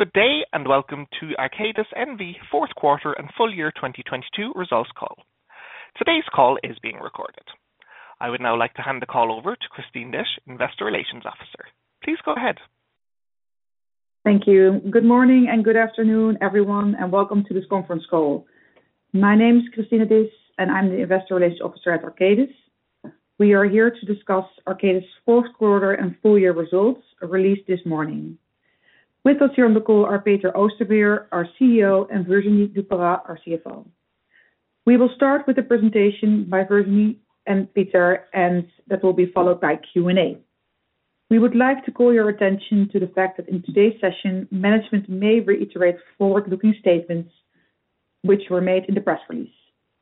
Good day, welcome to Arcadis NV fourth quarter and full year 2022 results call. Today's call is being recorded. I would now like to hand the call over to Christine Disch, Investor Relations Officer. Please go ahead. Thank you. Good morning and good afternoon, everyone, welcome to this conference call. My name is Christine Disch, I'm the investor relations officer at Arcadis. We are here to discuss Arcadis fourth quarter and full year results released this morning. With us here on the call are Peter Oosterveer, our CEO, Virginie Duperat, our CFO. We will start with a presentation by Virginie and Peter, that will be followed by Q&A. We would like to call your attention to the fact that in today's session, management may reiterate forward-looking statements which were made in the press release.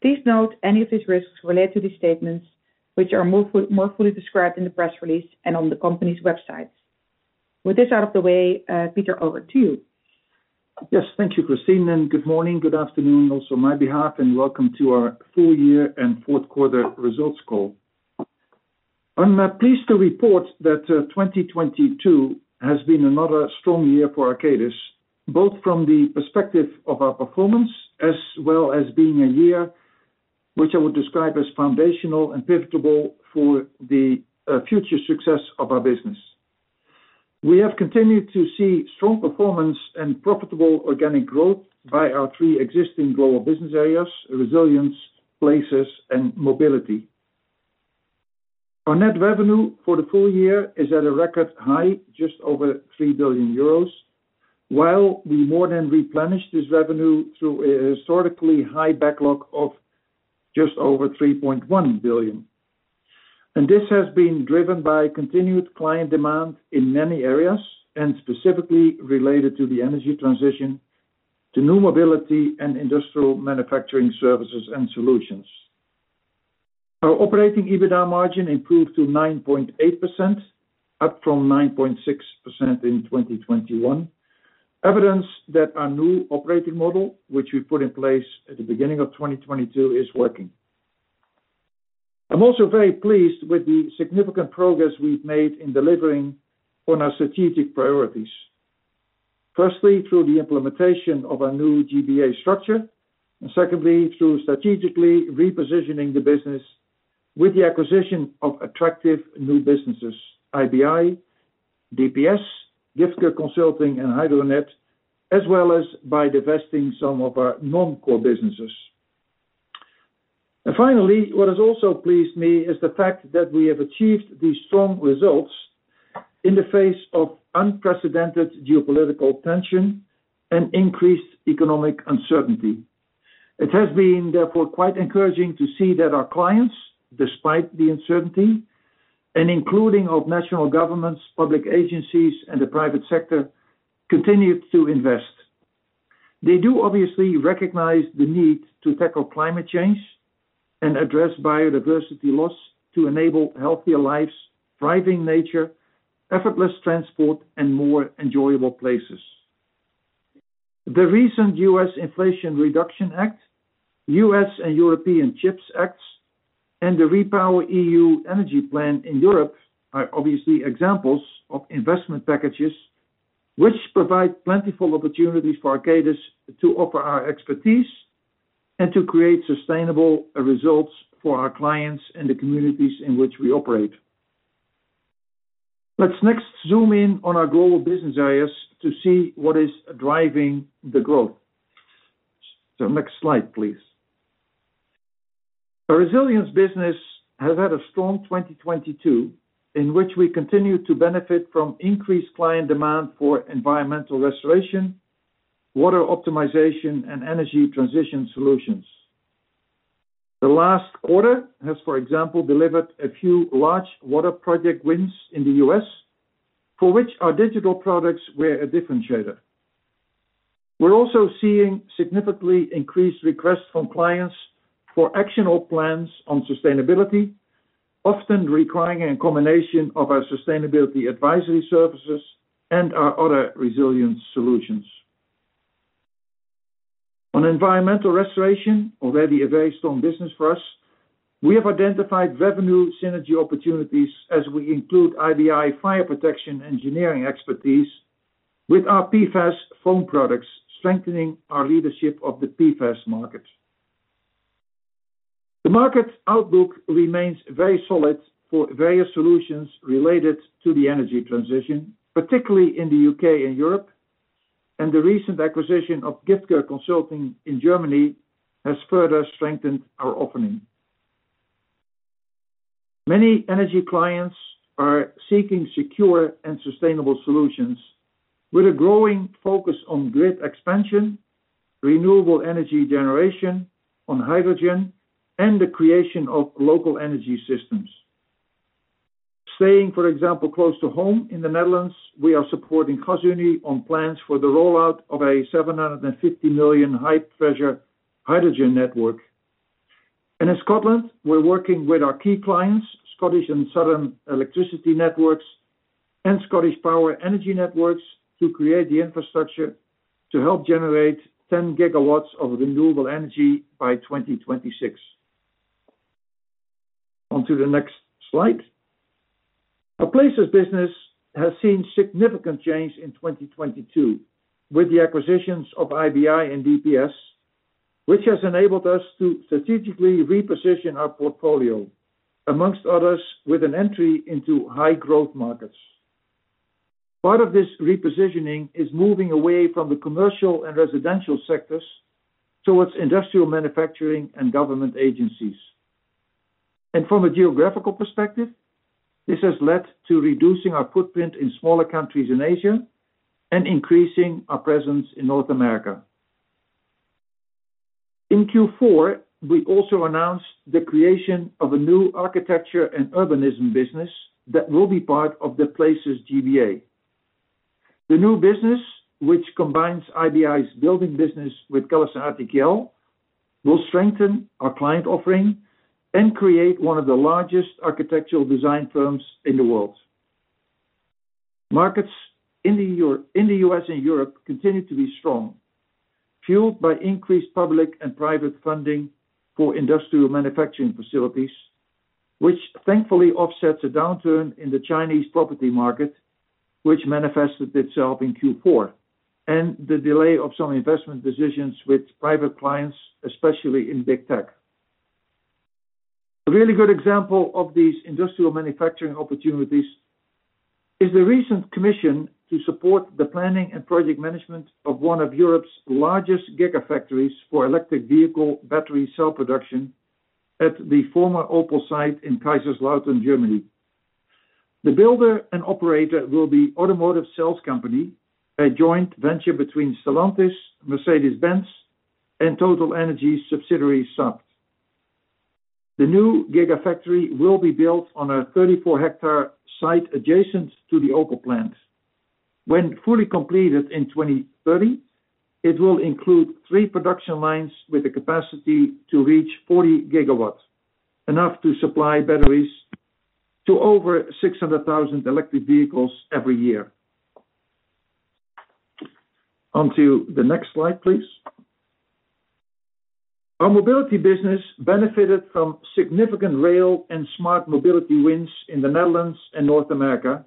Please note any of these risks related to these statements, which are more fully described in the press release and on the company's website. With this out of the way, Peter, over to you. Thank you, Christine. Good morning, good afternoon also my behalf. Welcome to our full year and fourth quarter results call. I'm pleased to report that 2022 has been another strong year for Arcadis, both from the perspective of our performance as well as being a year which I would describe as foundational and pivotal for the future success of our business. We have continued to see strong performance and profitable organic growth by our three existing global business areas, resilience, places, and mobility. Our net revenue for the full year is at a record high, just over 3 billion euros. We more than replenish this revenue through a historically high backlog of just over 3.1 billion. This has been driven by continued client demand in many areas and specifically related to the energy transition to new mobility and industrial manufacturing services and solutions. Our operating EBITDA margin improved to 9.8%, up from 9.6% in 2021. Evidence that our new operating model, which we put in place at the beginning of 2022, is working. I'm also very pleased with the significant progress we've made in delivering on our strategic priorities. Firstly, through the implementation of our new GBA structure, and secondly, through strategically repositioning the business with the acquisition of attractive new businesses, IBI, DPS, Giftge Consult, and HydroNET, as well as by divesting some of our non-core businesses. Finally, what has also pleased me is the fact that we have achieved these strong results in the face of unprecedented geopolitical tension and increased economic uncertainty. It has been, therefore, quite encouraging to see that our clients, despite the uncertainty and including of national governments, public agencies, and the private sector, continued to invest. They do obviously recognize the need to tackle climate change and address biodiversity loss to enable healthier lives, thriving nature, effortless transport, and more enjoyable places. The recent U.S. Inflation Reduction Act, U.S. and European Chips Acts, and the REPowerEU energy plan in Europe are obviously examples of investment packages which provide plentiful opportunities for Arcadis to offer our expertise and to create sustainable results for our clients and the communities in which we operate. Let's next zoom in on our global business areas to see what is driving the growth. Next slide, please. Our resilience business has had a strong 2022, in which we continue to benefit from increased client demand for environmental restoration, water optimization, and energy transition solutions. The last quarter has, for example, delivered a few large water project wins in the U.S., for which our digital products were a differentiator. We're also seeing significantly increased requests from clients for actionable plans on sustainability, often requiring a combination of our sustainability advisory services and our other resilience solutions. On environmental restoration, already a very strong business for us, we have identified revenue synergy opportunities as we include IBI fire protection engineering expertise with our PFAS foam products, strengthening our leadership of the PFAS market. The market outlook remains very solid for various solutions related to the energy transition, particularly in the U.K. and Europe. The recent acquisition of Giftge Consult in Germany has further strengthened our opening. Many energy clients are seeking secure and sustainable solutions with a growing focus on grid expansion, renewable energy generation on hydrogen, and the creation of local energy systems. Staying, for example, close to home in the Netherlands, we are supporting Gasunie on plans for the rollout of a 750 million high-pressure hydrogen network. In Scotland, we're working with our key clients, Scottish and Southern Electricity Networks and ScottishPower Energy Networks to create the infrastructure to help generate 10 GW of renewable energy by 2026. Onto the next slide. Our Places business has seen significant change in 2022 with the acquisitions of IBI and DPS, which has enabled us to strategically reposition our portfolio, amongst others, with an entry into high growth markets. Part of this repositioning is moving away from the commercial and residential sectors towards industrial manufacturing and government agencies. From a geographical perspective, this has led to reducing our footprint in smaller countries in Asia and increasing our presence in North America. In Q4, we also announced the creation of a new architecture and urbanism business that will be part of the Places GBA. The new business, which combines IBI's building business with CallisonRTKL, will strengthen our client offering and create one of the largest architectural design firms in the world. Markets in the U.S. and Europe continue to be strong, fueled by increased public and private funding for industrial manufacturing facilities, which thankfully offsets a downturn in the Chinese property market, which manifested itself in Q4, and the delay of some investment decisions with private clients, especially in big tech. A really good example of these industrial manufacturing opportunities is the recent commission to support the planning and project management of one of Europe's largest gigafactories for electric vehicle battery cell production at the former Opel site in Kaiserslautern, Germany. The builder and operator will be Automotive Cells Company, a joint venture between Stellantis, Mercedes-Benz, and TotalEnergies subsidiary Saft. The new gigafactory will be built on a 34 ha site adjacent to the Opel plant. When fully completed in 2030, it will include three production lines with a capacity to reach 40 GW, enough to supply batteries to over 600,000 electric vehicles every year. Onto the next slide, please. Our mobility business benefited from significant rail and smart mobility wins in the Netherlands and North America,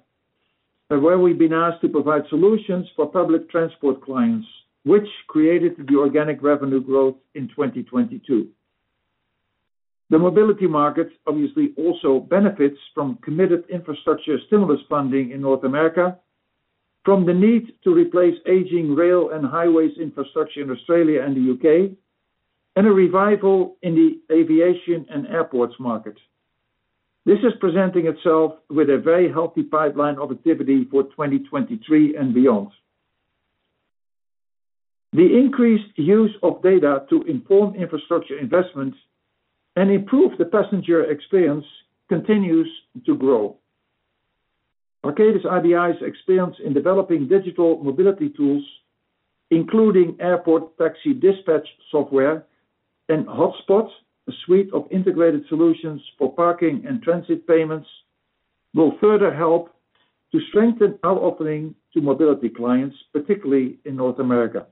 and where we've been asked to provide solutions for public transport clients, which created the organic revenue growth in 2022. The mobility market obviously also benefits from committed infrastructure stimulus funding in North America from the need to replace aging rail and highways infrastructure in Australia and the U.K., and a revival in the aviation and airports market. This is presenting itself with a very healthy pipeline of activity for 2023 and beyond. The increased use of data to inform infrastructure investments and improve the passenger experience continues to grow. Arcadis IBI's experience in developing digital mobility tools, including airport taxi dispatch software and HotSpot, a suite of integrated solutions for parking and transit payments, will further help to strengthen our offering to mobility clients, particularly in North America.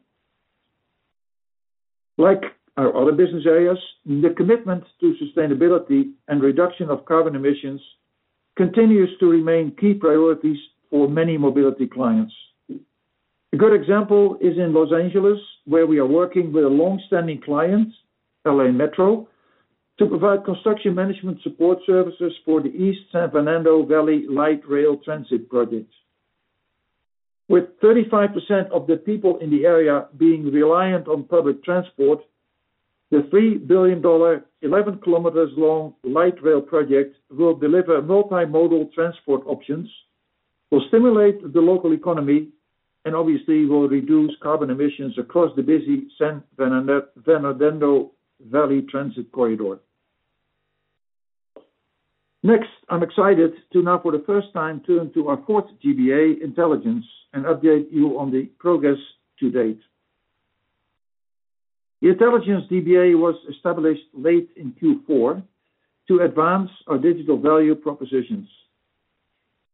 Like our other business areas, the commitment to sustainability and reduction of carbon emissions continues to remain key priorities for many mobility clients. A good example is in Los Angeles, where we are working with a long-standing client, L.A. Metro, to provide construction management support services for the East San Fernando Valley Light Rail Transit project. With 35% of the people in the area being reliant on public transport, the $3 billion, 11 km long light rail project will deliver multimodal transport options, will stimulate the local economy, and obviously will reduce carbon emissions across the busy Fernando Valley Transit Corridor. I'm excited to now for the first time turn to our fourth GBA, Intelligence, and update you on the progress to date. The Intelligence GBA was established late in Q4 to advance our digital value propositions.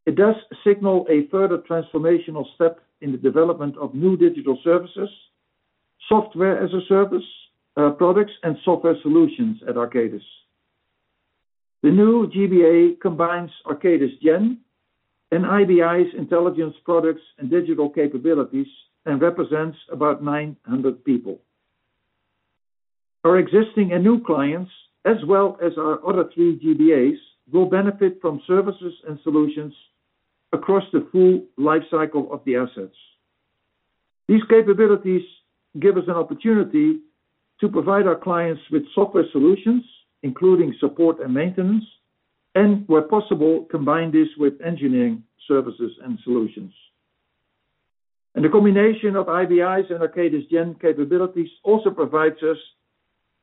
It does signal a further transformational step in the development of new digital services, software as a service, products, and software solutions at Arcadis. The new GBA combines Arcadis Gen and IBI's intelligence products and digital capabilities and represents about 900 people. Our existing and new clients, as well as our other three GBAs, will benefit from services and solutions across the full life cycle of the assets. These capabilities give us an opportunity to provide our clients with software solutions, including support and maintenance, and, where possible, combine this with engineering services and solutions. The combination of IBI's and Arcadis Gen capabilities also provides us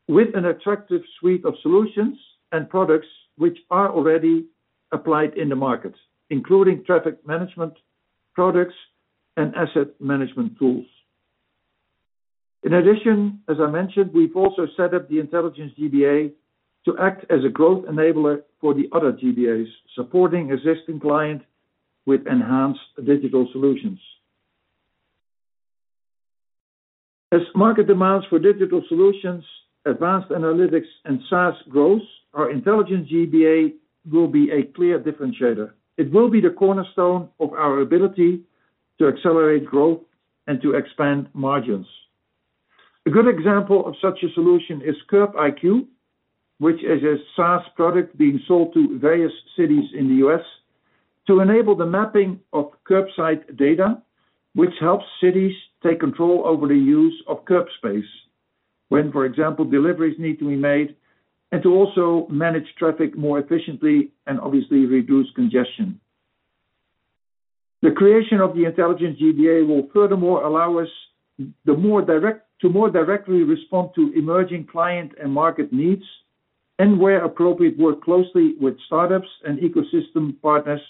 with an attractive suite of solutions and products which are already applied in the market, including traffic management products and asset management tools. In addition, as I mentioned, we've also set up the intelligence GBA to act as a growth enabler for the other GBAs, supporting existing client with enhanced digital solutions. As market demands for digital solutions, advanced analytics, and SaaS grows, our intelligent GBA will be a clear differentiator. It will be the cornerstone of our ability to accelerate growth and to expand margins. A good example of such a solution is CurbIQ, which is a SaaS product being sold to various cities in the U.S. to enable the mapping of curbside data, which helps cities take control over the use of curb space when, for example, deliveries need to be made, and to also manage traffic more efficiently and obviously reduce congestion. The creation of the intelligent GBA will furthermore allow us to more directly respond to emerging client and market needs, and where appropriate, work closely with startups and ecosystem partners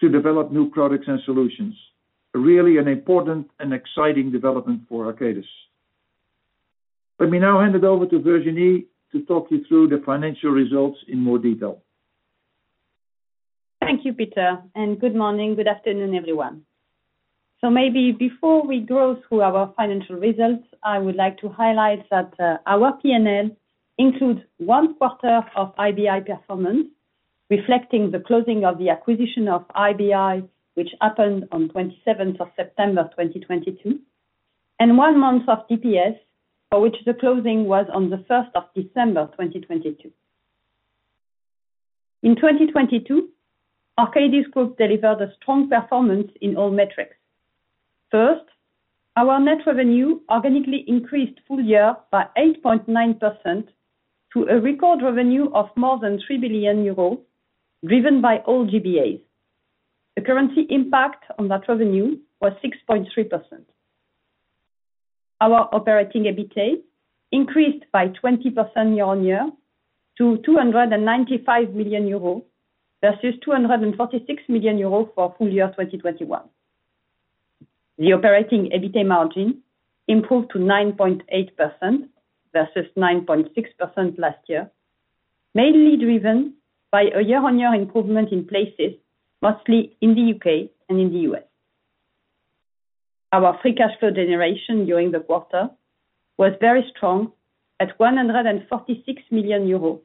to develop new products and solutions. Really an important and exciting development for Arcadis. Let me now hand it over to Virginie to talk you through the financial results in more detail. Thank you, Peter. Good morning, good afternoon, everyone. Maybe before we go through our financial results, I would like to highlight that our P&L includes one quarter of IBI performance, reflecting the closing of the acquisition of IBI, which happened on 27th of September 2022, and one month of DPS, for which the closing was on the 1st of December 2022. In 2022, Arcadis Group delivered a strong performance in all metrics. First, our net revenue organically increased full year by 8.9% to a record revenue of more than 3 billion euros, driven by all GBAs. The currency impact on that revenue was 6.3%. Our operating EBITA increased by 20% year-on-year to 295 million euros versus 246 million euros for full year 2021. The operating EBITA margin improved to 9.8% versus 9.6% last year, mainly driven by a year-on-year improvement in places, mostly in the U.K. and in the U.S. Our free cash flow generation during the quarter was very strong at 146 million euro,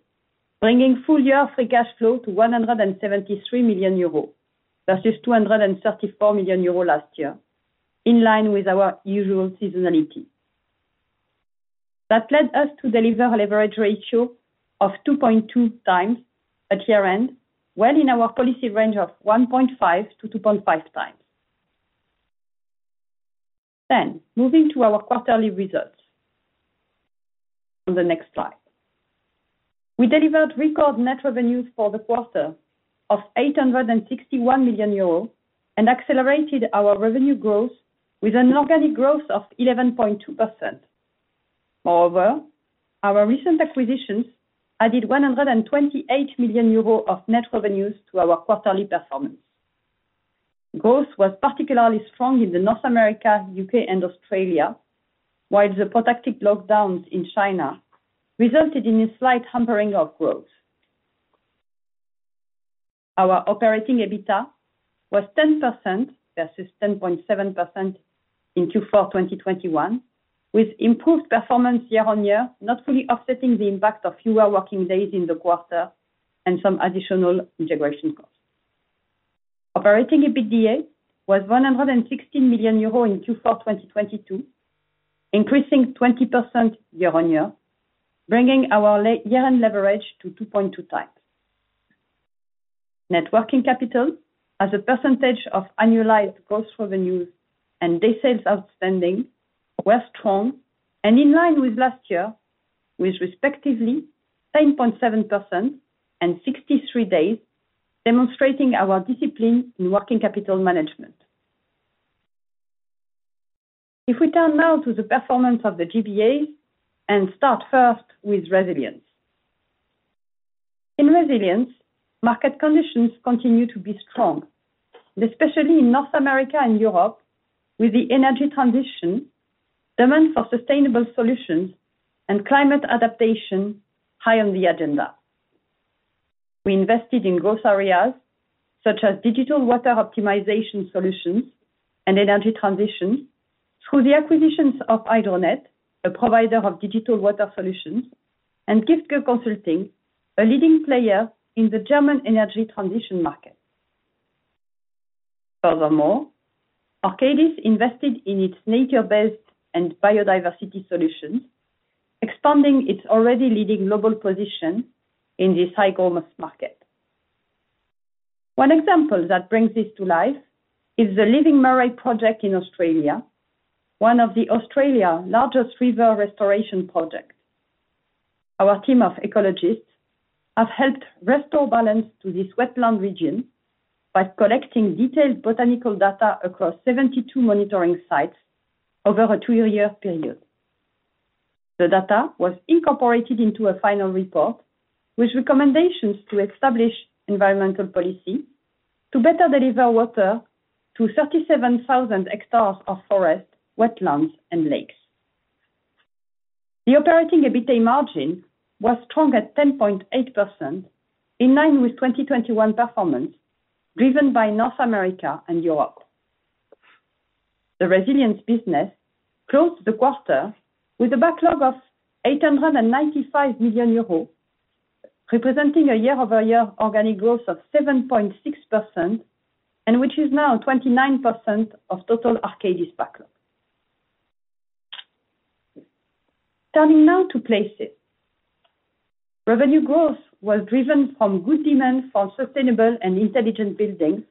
bringing full year free cash flow to 173 million euro versus 234 million euro last year, in line with our usual seasonality. That led us to deliver a leverage ratio of 2.2x at year-end, well in our policy range of 1.5x-2.5x. Moving to our quarterly results on the next slide. We delivered record net revenues for the quarter of 861 million euros and accelerated our revenue growth with an organic growth of 11.2%. Moreover, our recent acquisitions added 128 million euros of net revenues to our quarterly performance. Growth was particularly strong in the North America, U.K., and Australia, while the protracted lockdowns in China resulted in a slight hampering of growth. Our operating EBITA was 10% versus 10.7% in Q4 2021, with improved performance year-on-year not fully offsetting the impact of fewer working days in the quarter and some additional integration costs. Operating EBITDA was 116 million euro in Q4 2022, increasing 20% year-on-year, bringing our year-end leverage to 2.2x. Net working capital as a percentage of annualized gross revenues and day sales outstanding were strong and in line with last year with respectively 10.7% and 63 days, demonstrating our discipline in working capital management. If we turn now to the performance of the GBAs and start first with Resilience. In Resilience, market conditions continue to be strong, especially in North America and Europe, with the energy transition, demand for sustainable solutions, and climate adaptation high on the agenda. We invested in growth areas such as digital water optimization solutions and energy transition through the acquisitions of HydroNET, a provider of digital water solutions, and Giftge Consult, a leading player in the German energy transition market. Furthermore, Arcadis invested in its nature-based and biodiversity solutions, expanding its already leading global position in this high-growth market. One example that brings this to life is the Living Murray project in Australia, one of the Australia's largest river restoration project. Our team of ecologists have helped restore balance to this wetland region by collecting detailed botanical data across 72 monitoring sites over a two-year period. The data was incorporated into a final report with recommendations to establish environmental policy to better deliver water to 37,000 hectares of forest, wetlands, and lakes. The operating EBITA margin was strong at 10.8% in line with 2021 performance, driven by North America and Europe. The Resilience business closed the quarter with a backlog of 895 million euros, representing a year-over-year organic growth of 7.6%, and which is now 29% of total Arcadis backlog. Turning now to Places. Revenue growth was driven from good demand for sustainable and intelligent buildings,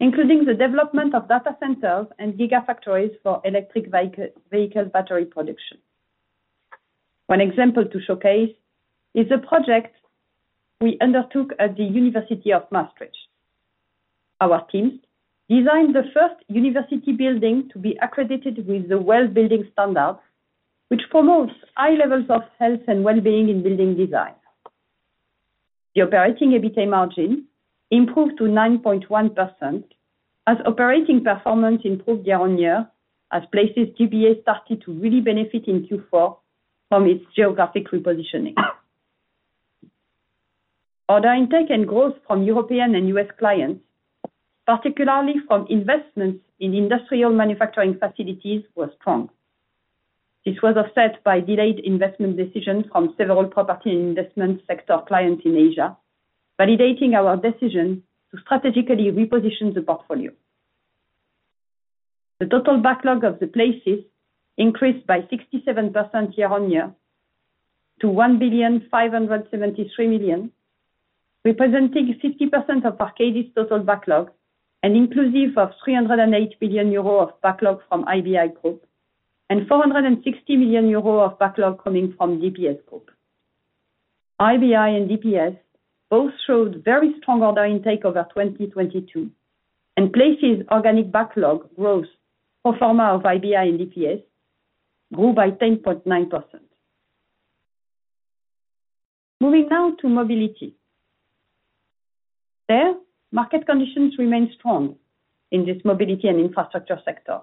including the development of data centers and gigafactories for electric vehicle battery production. One example to showcase is a project we undertook at the Maastricht University. Our teams designed the first university building to be accredited with the WELL Building Standard, which promotes high levels of health and well-being in building design. The operating EBITA margin improved to 9.1% as operating performance improved year-on-year as Places GBA started to really benefit in Q4 from its geographic repositioning. Order intake and growth from European and U.S. clients, particularly from investments in industrial manufacturing facilities, were strong. This was offset by delayed investment decisions from several property investment sector clients in Asia, validating our decision to strategically reposition the portfolio. The total backlog of the Places increased by 67% year-on-year to 1.573 billion, representing 50% of Arcadis' total backlog and inclusive of 308 billion euro of backlog from IBI Group and 460 million euro of backlog coming from DPS Group. IBI and DPS both showed very strong order intake over 2022. Places organic backlog growth, pro forma of IBI and DPS, grew by 10.9%. Moving now to Mobility. There, market conditions remain strong in this mobility and infrastructure sector,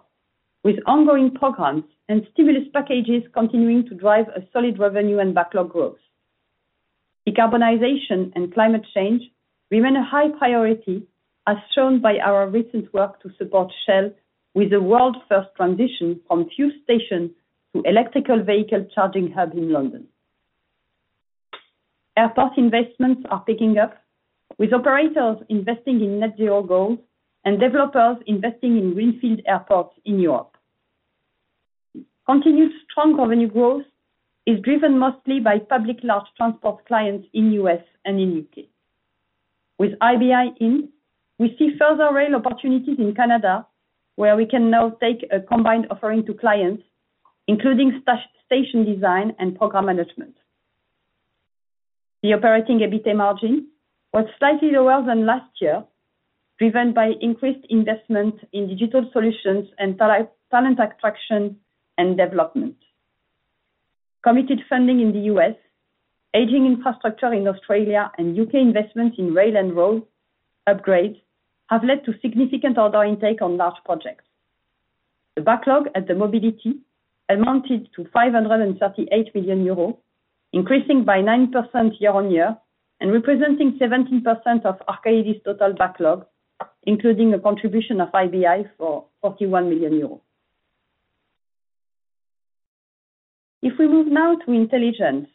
with ongoing programs and stimulus packages continuing to drive a solid revenue and backlog growth. Decarbonization and climate change remain a high priority, as shown by our recent work to support Shell with the world's first transition from fuel station to electric vehicle charging hub in London. Airport investments are picking up, with operators investing in net zero goals and developers investing in greenfield airports in Europe. Continued strong revenue growth is driven mostly by public large transport clients in U.S. and in U.K. With IBI in, we see further rail opportunities in Canada, where we can now take a combined offering to clients, including station design and program management. The operating EBITA margin was slightly lower than last year, driven by increased investment in digital solutions and talent attraction and development. Committed funding in the U.S., aging infrastructure in Australia, and U.K. investments in rail and road upgrades have led to significant order intake on large projects. The backlog at the Mobility amounted to 538 million euros, increasing by 9% year-on-year and representing 17% of Arcadis' total backlog, including a contribution of IBI for 41 million euros. If we move now to Intelligence.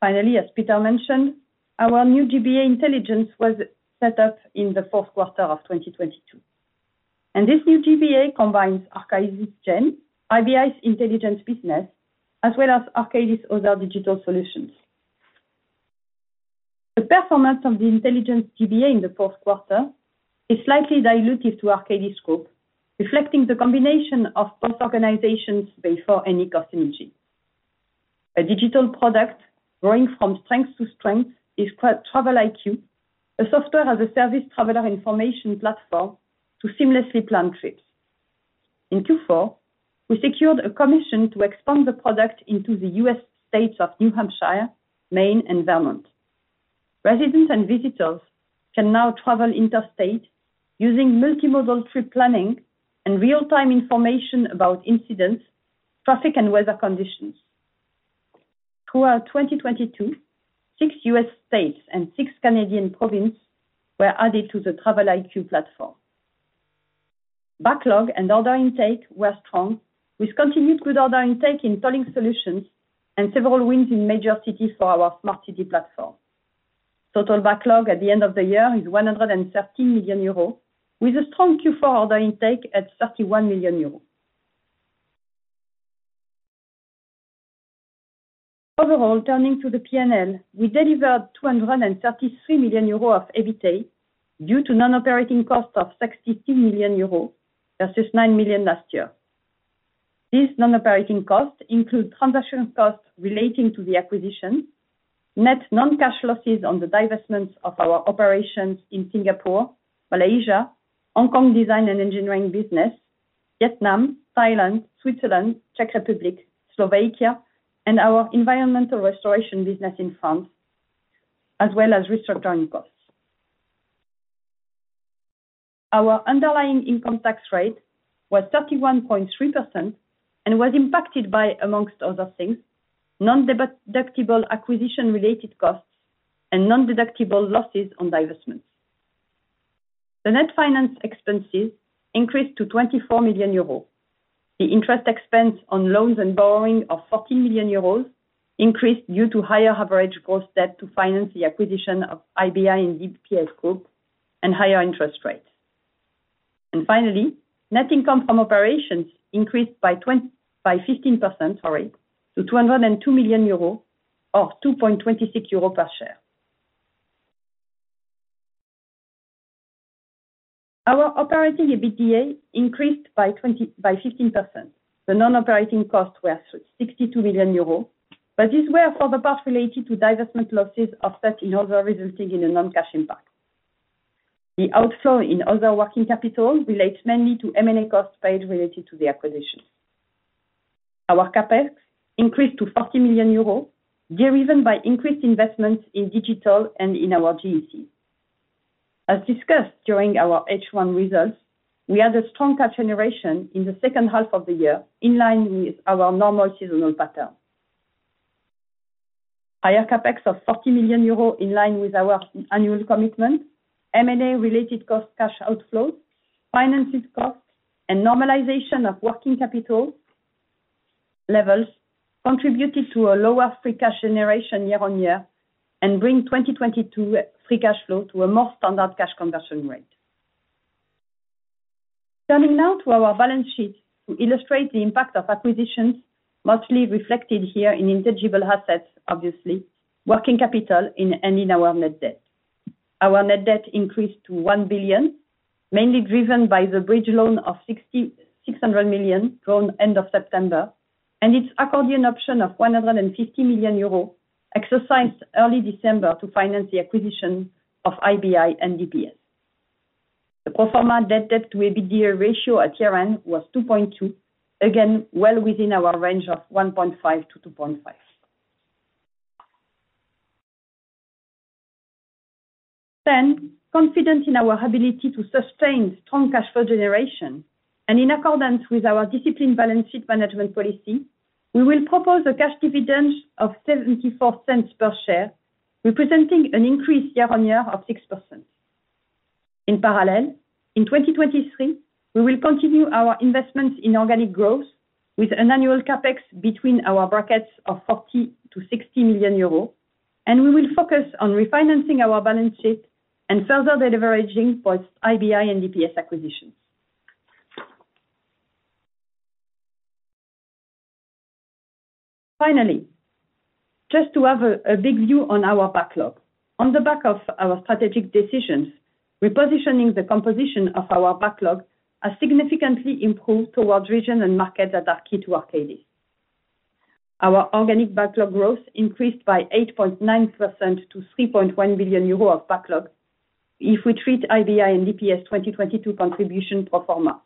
Finally, as Peter mentioned, our new GBA Intelligence was set up in the fourth quarter of 2022, and this new GBA combines Arcadis Gen, IBI's intelligence business, as well as Arcadis other digital solutions. The performance of the Intelligence GBA in the fourth quarter is slightly dilutive to Arcadis Group, reflecting the combination of both organizations before any cost synergy. A digital product growing from strength to strength is called TravelIQ, a software-as-a-service traveler information platform to seamlessly plan trips. In Q4, we secured a commission to expand the product into the U.S. states of New Hampshire, Maine, and Vermont. Residents and visitors can now travel interstate using multimodal trip planning and real-time information about incidents, traffic, and weather conditions. Throughout 2022, six U.S. states and six Canadian provinces were added to the TravelIQ platform. Backlog and order intake were strong, with continued good order intake in tolling solutions and several wins in major cities for our smart city platform. Total backlog at the end of the year is 113 million euros, with a strong Q4 order intake at 31 million euros. Overall, turning to the P&L, we delivered 233 million euro of EBITA due to non-operating costs of 62 million euro versus 9 million last year. These non-operating costs include transaction costs relating to the acquisition. Net non-cash losses on the divestments of our operations in Singapore, Malaysia, Hong Kong design and engineering business, Vietnam, Thailand, Switzerland, Czech Republic, Slovakia, and our environmental restoration business in France, as well as restructuring costs. Our underlying income tax rate was 31.3%, and was impacted by, amongst other things, non-deductible acquisition-related costs and non-deductible losses on divestments. The net finance expenses increased to 24 million euros. The interest expense on loans and borrowing of 40 million euros increased due to higher average cost debt to finance the acquisition of IBI and DPS Group and higher interest rates. Finally, net income from operations increased by 15%, sorry, to 202 million euros of 2.26 euros per share. Our operating EBITDA increased by 15%. The non-operating costs were 62 million euros, but these were for the part related to divestment losses offset in other, resulting in a non-cash impact. The outflow in other working capital relates mainly to M&A costs paid related to the acquisitions. Our CapEx increased to 40 million euros, driven by increased investments in digital and in our GEC. As discussed during our H1 results, we had a stronger generation in the second half of the year, in line with our normal seasonal pattern. Higher CapEx of 40 million euros, in line with our annual commitment, M&A related cost cash outflows, finance costs, and normalization of working capital levels contributed to a lower free cash generation year-over-year and bring 2022 free cash flow to a more standard cash conversion rate. Now to our balance sheet to illustrate the impact of acquisitions, mostly reflected here in intangible assets, obviously, working capital in, and in our net debt. Our net debt increased to 1 billion, mainly driven by the bridge loan of 600 million drawn end of September, and its accordion option of 150 million euros, exercised early December to finance the acquisition of IBI and DPS. The pro forma debt to EBITDA ratio at year-end was 2.2x, again well within our range of 1.5x-2.5x. Confident in our ability to sustain strong cash flow generation and in accordance with our disciplined balance sheet management policy, we will propose a cash dividend of 0.74 per share, representing an increase year-over-year of 6%. In parallel, in 2023, we will continue our investments in organic growth with an annual CapEx between our brackets of 40 million-60 million euros, and we will focus on refinancing our balance sheet and further deleveraging post IBI and DPS acquisitions. Just to have a big view on our backlog. On the back of our strategic decisions, repositioning the composition of our backlog has significantly improved towards region and market that are key to Arcadis. Our organic backlog growth increased by 8.9% to 3.1 billion euro of backlog if we treat IBI and DPS 2022 contribution pro forma.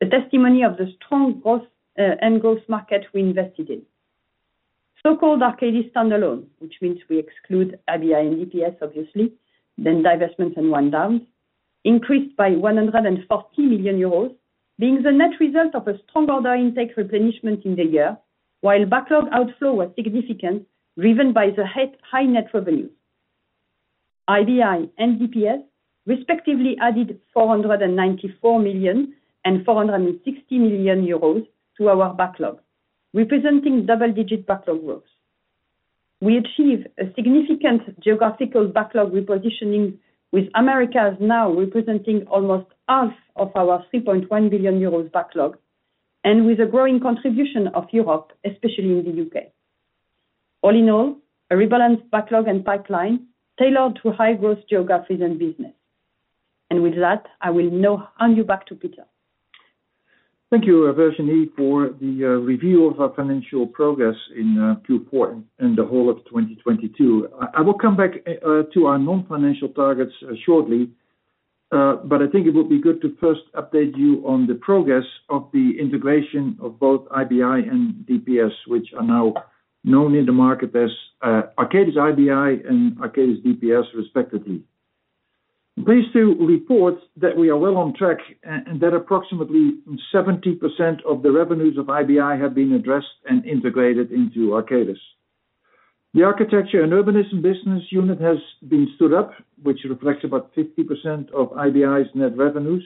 The testimony of the strong growth end growth market we invested in. So-called Arcadis standalone, which means we exclude IBI and DPS obviously, then divestments and one downs, increased by 140 million euros, being the net result of a strong order intake replenishment in the year, while backlog outflow was significant, driven by the high net revenues. IBI and DPS respectively added 494 million and 460 million euros to our backlog, representing double-digit backlog growth. We achieve a significant geographical backlog repositioning, with Americas now representing almost half of our 3.1 billion euros backlog and with a growing contribution of Europe, especially in the U.K. All in all, a rebalanced backlog and pipeline tailored to high-growth geographies and business. With that, I will now hand you back to Peter. Thank you, Virginie, for the review of our financial progress in Q4 and the whole of 2022. I will come back to our non-financial targets shortly, but I think it would be good to first update you on the progress of the integration of both IBI and DPS, which are now known in the market as Arcadis IBI and Arcadis DPS respectively. Pleased to report that we are well on track and that approximately 70% of the revenues of IBI have been addressed and integrated into Arcadis. The architecture and urbanism business unit has been stood up, which reflects about 50% of IBI's net revenues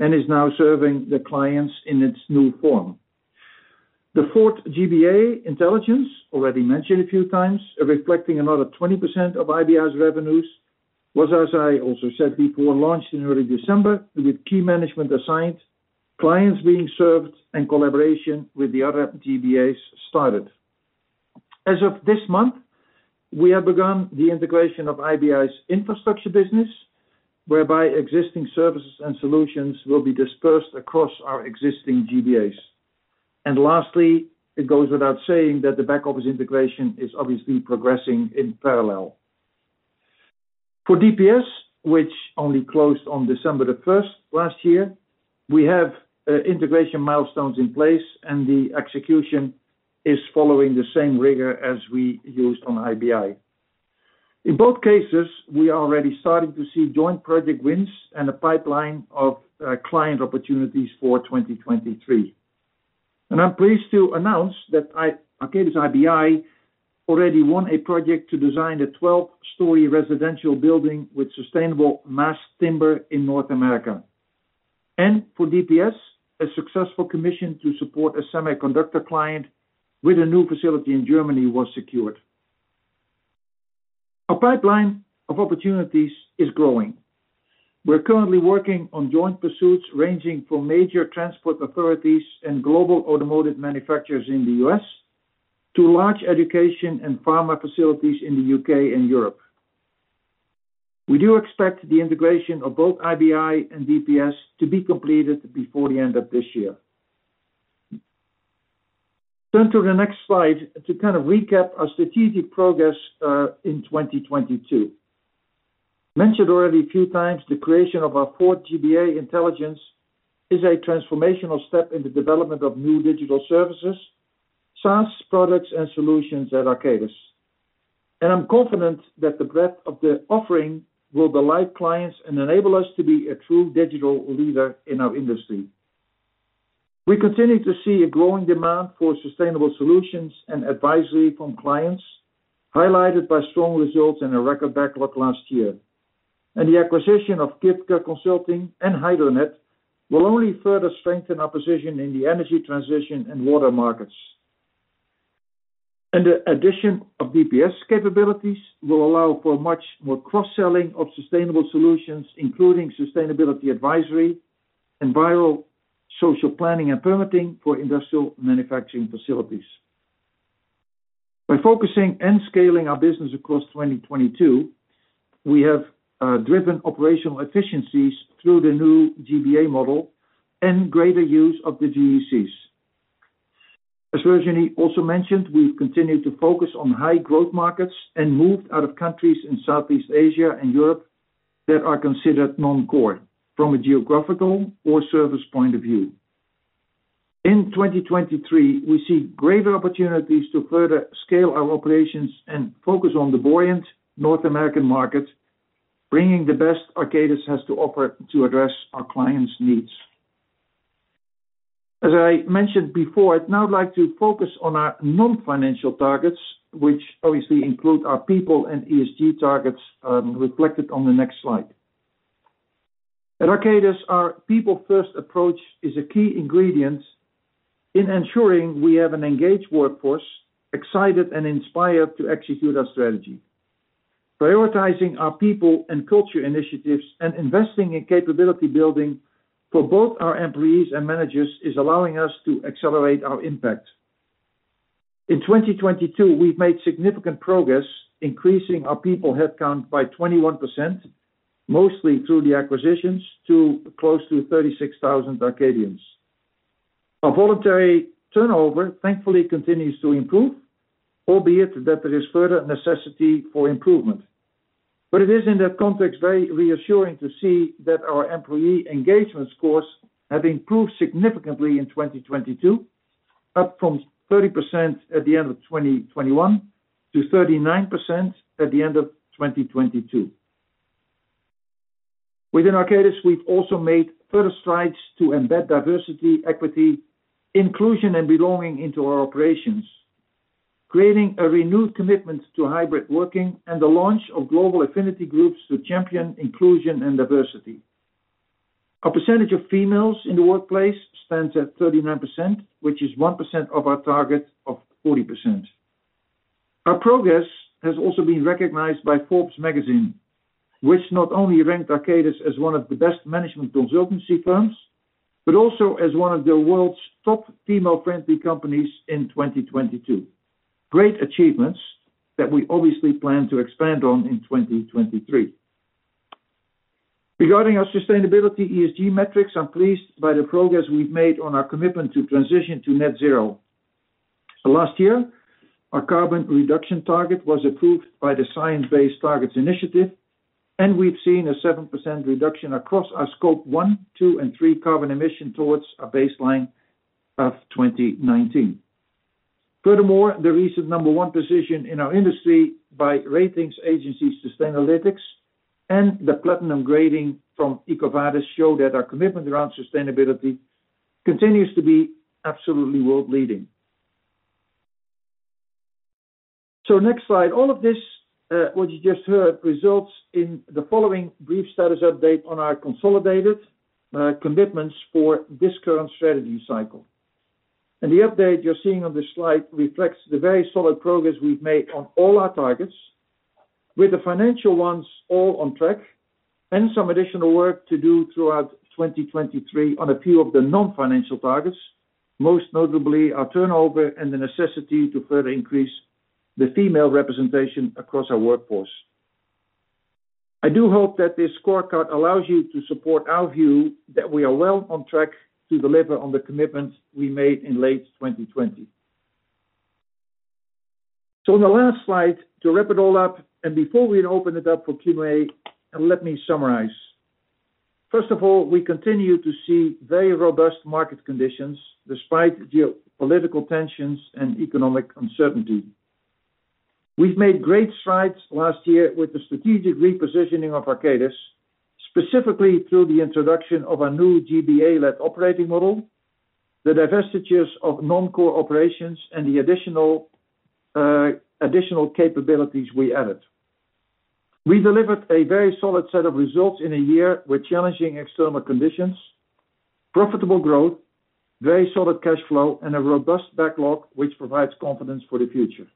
and is now serving the clients in its new form. The fourth GBA intelligence, already mentioned a few times, reflecting another 20% of IBI's revenues, was, as I also said before, launched in early December with key management assigned, clients being served, and collaboration with the other GBAs started. As of this month, we have begun the integration of IBI's infrastructure business, whereby existing services and solutions will be dispersed across our existing GBAs. Lastly, it goes without saying that the back office integration is obviously progressing in parallel. For DPS, which only closed on December 1st last year, we have integration milestones in place, and the execution is following the same rigor as we used on IBI. In both cases, we are already starting to see joint project wins and a pipeline of client opportunities for 2023. I'm pleased to announce that Arcadis IBI already won a project to design a 12-story residential building with sustainable mass timber in North America. For DPS, a successful commission to support a semiconductor client with a new facility in Germany was secured. Our pipeline of opportunities is growing. We're currently working on joint pursuits ranging from major transport authorities and global automotive manufacturers in the U.S. to large education and pharma facilities in the U.K. and Europe. We do expect the integration of both IBI and DPS to be completed before the end of this year. Turn to the next slide to kind of recap our strategic progress in 2022. Mentioned already a few times, the creation of our fourth GBA intelligence is a transformational step in the development of new digital services, SaaS products and solutions at Arcadis. I'm confident that the breadth of the offering will delight clients and enable us to be a true digital leader in our industry. We continue to see a growing demand for sustainable solutions and advisory from clients, highlighted by strong results and a record backlog last year. The acquisition of Giftge Consult and HydroNET will only further strengthen our position in the energy transition and water markets. The addition of DPS capabilities will allow for much more cross-selling of sustainable solutions, including sustainability advisory, environmental social planning and permitting for industrial manufacturing facilities. By focusing and scaling our business across 2022, we have driven operational efficiencies through the new GBA model and greater use of the GECs. As Virginie also mentioned, we've continued to focus on high growth markets and moved out of countries in Southeast Asia and Europe that are considered non-core from a geographical or service point of view. In 2023, we see greater opportunities to further scale our operations and focus on the buoyant North American market, bringing the best Arcadis has to offer to address our clients' needs. As I mentioned before, I'd now like to focus on our non-financial targets, which obviously include our people and ESG targets, reflected on the next slide. At Arcadis, our people first approach is a key ingredient in ensuring we have an engaged workforce, excited and inspired to execute our strategy. Prioritizing our people and culture initiatives and investing in capability building for both our employees and managers is allowing us to accelerate our impact. In 2022, we've made significant progress increasing our people headcount by 21%, mostly through the acquisitions to close to 36,000 Arcadians. Our voluntary turnover thankfully continues to improve, albeit that there is further necessity for improvement. It is in that context very reassuring to see that our employee engagement scores have improved significantly in 2022, up from 30% at the end of 2021 to 39% at the end of 2022. Within Arcadis, we've also made further strides to embed diversity, equity, inclusion and belonging into our operations, creating a renewed commitment to hybrid working and the launch of global affinity groups to champion inclusion and diversity. Our percentage of females in the workplace stands at 39%, which is 1% of our target of 40%. Our progress has also been recognized by Forbes magazine, which not only ranked Arcadis as one of the best management consultancy firms, but also as one of the world's top female-friendly companies in 2022. Great achievements that we obviously plan to expand on in 2023. Regarding our sustainability ESG metrics, I'm pleased by the progress we've made on our commitment to transition to net zero. Last year, our carbon reduction target was approved by the Science-Based Targets initiative, and we've seen a 7% reduction across our scope 1, scope 2, and scope 3 carbon emission towards a baseline of 2019. Furthermore, the recent number one position in our industry by ratings agency Sustainalytics and the platinum grading from EcoVadis show that our commitment around sustainability continues to be absolutely world-leading. Next slide. All of this, what you just heard, results in the following brief status update on our consolidated commitments for this current strategy cycle. The update you're seeing on this slide reflects the very solid progress we've made on all our targets with the financial ones all on track and some additional work to do throughout 2023 on a few of the non-financial targets, most notably our turnover and the necessity to further increase the female representation across our workforce. I do hope that this scorecard allows you to support our view that we are well on track to deliver on the commitments we made in late 2020. On the last slide, to wrap it all up, and before we open it up for Q&A, let me summarize. First of all, we continue to see very robust market conditions despite geo-political tensions and economic uncertainty. We've made great strides last year with the strategic repositioning of Arcadis, specifically through the introduction of our new GBA-led operating model, the divestitures of non-core operations, and the additional capabilities we added. We delivered a very solid set of results in a year with challenging external conditions, profitable growth, very solid cash flow, and a robust backlog which provides confidence for the future.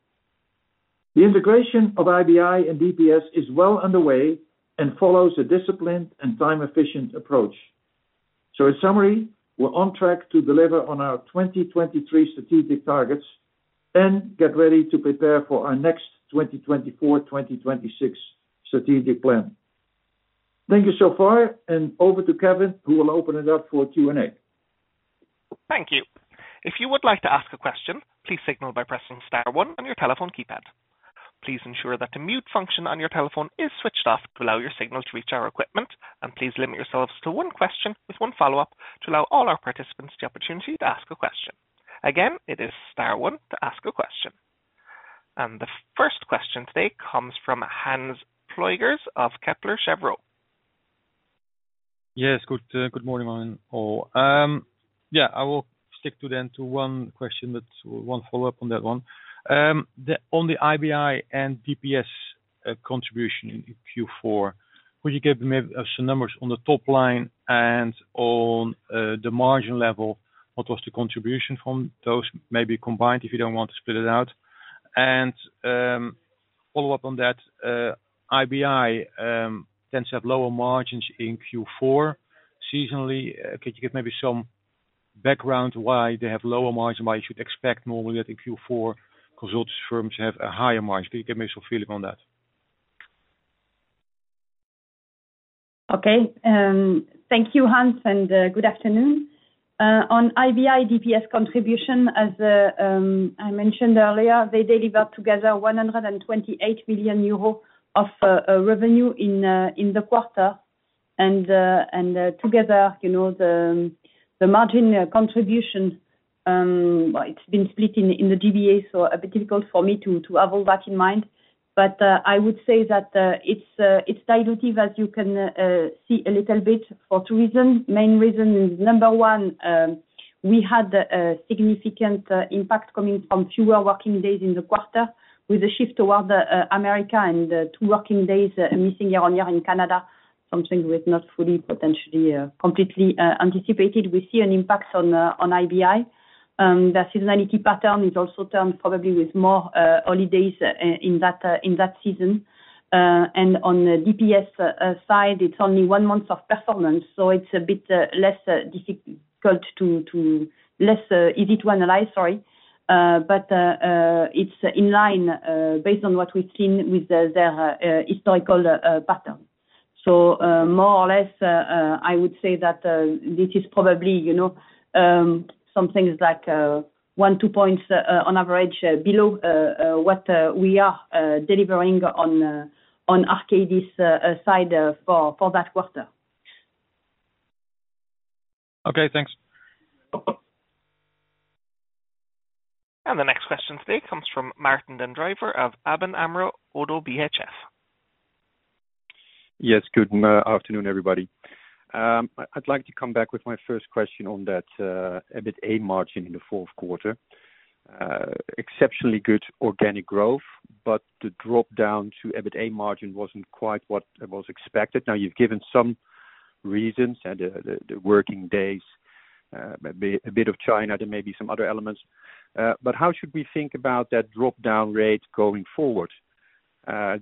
The integration of IBI and DPS is well underway and follows a disciplined and time-efficient approach. In summary, we're on track to deliver on our 2023 strategic targets and get ready to prepare for our next 2024/2026 strategic plan. Thank you so far, and over to Kevin, who will open it up for Q&A. Thank you. If you would like to ask a question, please signal by pressing star one on your telephone keypad. Please ensure that the mute function on your telephone is switched off to allow your signal to reach our equipment, and please limit yourselves to one question with one follow-up to allow all our participants the opportunity to ask a question. Again, it is star one to ask a question. The first question today comes from Hans Pluijgers of Kepler Cheuvreux. Yes. Good morning all. Yeah, I will stick to then to one question, but one follow-up on that one. On the IBI and DPS contribution in Q4, would you give maybe some numbers on the top line and on the margin level? What was the contribution from those? Maybe combined, if you don't want to split it out. Follow up on that, IBI tends to have lower margins in Q4 seasonally. Could you give maybe some background why they have lower margin, why you should expect normally that in Q4 consult firms have a higher margin? Can you give me some feeling on that? Okay. Thank you, Hans, and good afternoon. On IBI DPS contribution, as I mentioned earlier, they delivered together 128 million euros of revenue in the quarter. Together, you know, the margin contribution, it's been split in the GBA, so a bit difficult for me to have all that in mind. I would say that it's dilutive, as you can see a little bit for two reasons. Main reason is number one, we had significant impact coming from fewer working days in the quarter with a shift towards America and 2 working days missing year-on-year in Canada, something we had not fully, potentially, completely anticipated. We see an impact on IBI. The seasonality pattern is also down, probably with more holidays in that season. On the DPS side, it's only one month of performance, so it's a bit less difficult to analyze, sorry. It's in line, based on what we've seen with the historical pattern. More or less, I would say that this is probably, you know, something is like one, two points on average below what we are delivering on Arcadis side for that quarter. Okay, thanks. The next question today comes from Martijn Den Drijver of ABN AMRO-ODDO BHF. Yes. Good afternoon, everybody. I'd like to come back with my first question on that EBITA margin in the fourth quarter. Exceptionally good organic growth, the drop-down to EBITA margin wasn't quite what was expected. Now, you've given some reasons, and the working days, a bit of China, there may be some other elements. How should we think about that drop-down rate going forward?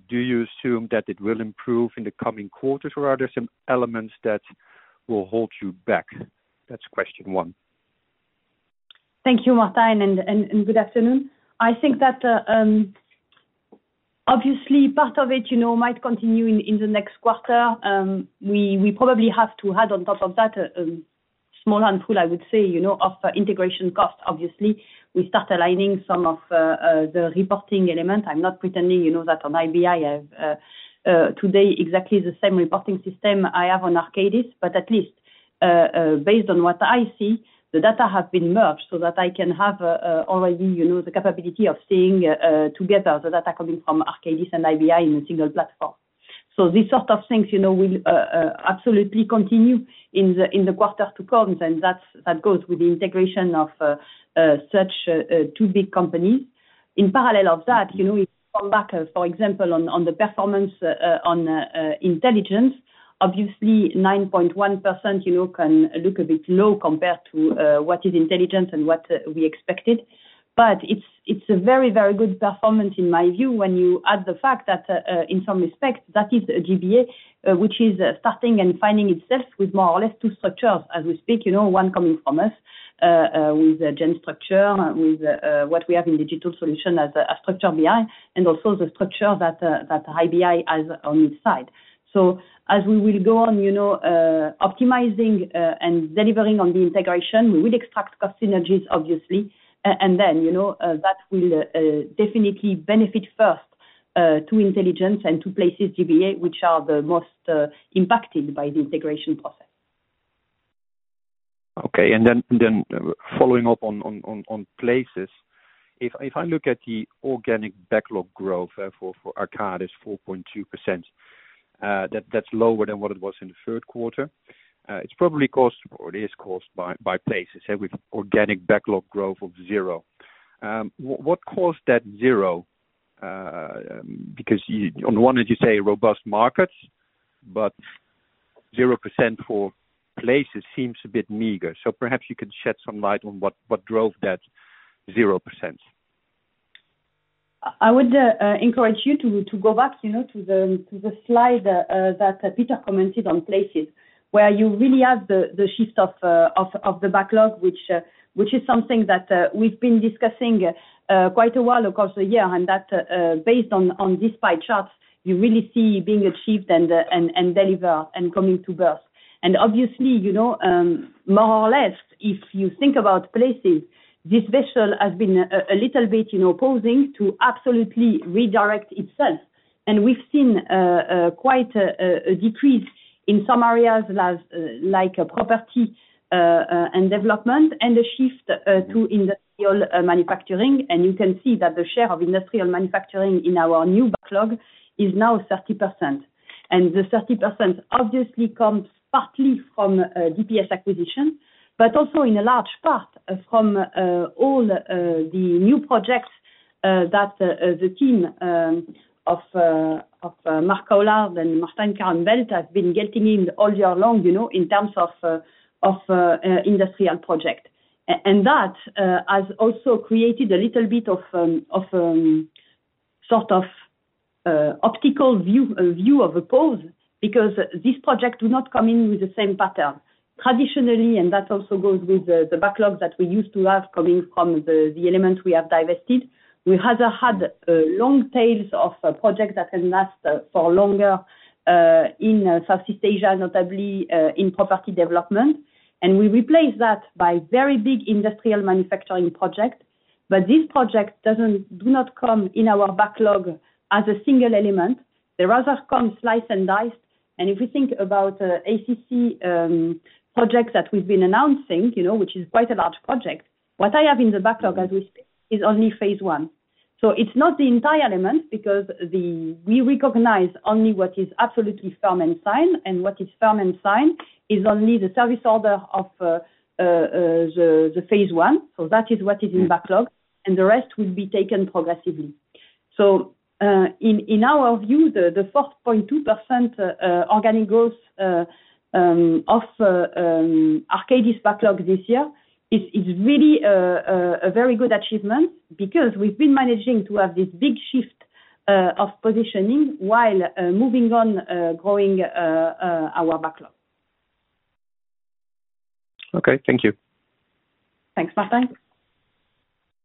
Do you assume that it will improve in the coming quarters, or are there some elements that will hold you back? That's question one. Thank you, Martijn, and good afternoon. I think that, obviously part of it, you know, might continue in the next quarter. We probably have to add on top of that, small handful, I would say, you know, of integration cost. Obviously, we start aligning some of the reporting elements. I'm not pretending, you know, that on IBI I have today exactly the same reporting system I have on Arcadis, but at least, based on what I see, the data have been merged so that I can have already, you know, the capability of seeing together the data coming from Arcadis and IBI in a single platform. These sort of things, you know, will absolutely continue in the quarter to come, and that's, that goes with the integration of such two big companies. In parallel of that, you know, if you come back, for example, on the performance on Intelligence, obviously 9.1%, you know, can look a bit low compared to what is intelligence and what we expected. It's, it's a very, very good performance in my view when you add the fact that in some respects that is a GBA which is starting and finding itself with more or less two structures as we speak, you know, one coming from us with a Gen structure, with what we have in digital solution as a structure behind, and also the structure that IBI has on its side. As we will go on, you know, optimizing and delivering on the integration, we will extract cost synergies, obviously. Then, you know, that will definitely benefit first to Intelligence and to Places GBA, which are the most impacted by the integration process. Okay. Following up on Places, if I look at the organic backlog growth for Arcadis, 4.2%, that's lower than what it was in the third quarter. It's probably caused, or it is caused by Places with organic backlog growth of zero. What caused that zero? Because you, on one, as you say, robust markets, but 0% for Places seems a bit meager. Perhaps you can shed some light on what drove that 0%. I would encourage you to go back, you know, to the slide that Peter commented on Places, where you really have the shift of the backlog which is something that we've been discussing quite a while across the year. That based on this pie chart, you really see being achieved and deliver and coming to birth. Obviously, you know, more or less, if you think about Places, this vessel has been a little bit, you know, posing to absolutely redirect itself. We've seen quite a decrease in some areas like property and development, and a shift to industrial manufacturing. You can see that the share of industrial manufacturing in our new backlog is now 30%. The 30% obviously comes partly from DPS acquisition, but also in a large part from all the new projects that the team of Mark Cowlard and [Martin Caron-Velt] has been getting in all year long, you know, in terms of industrial project. That has also created a little bit of sort of optical view of the polls because this project do not come in with the same pattern. Traditionally, that also goes with the backlog that we used to have coming from the elements we have divested. We had long tails of projects that can last for longer in Southeast Asia, notably in property development. We replaced that by very big industrial manufacturing project. This project do not come in our backlog as a single element. They rather come sliced and diced. If we think about ACC projects that we've been announcing, you know, which is quite a large project, what I have in the backlog as we speak is only phase one. It's not the entire element because we recognize only what is absolutely firm and signed. What is firm and signed is only the service order of the phase one. That is what is in backlog, and the rest will be taken progressively. In our view, the 4.2% organic growth of Arcadis backlog this year is really a very good achievement because we've been managing to have this big shift of positioning while moving on growing our backlog. Okay, thank you. Thanks, Martijn.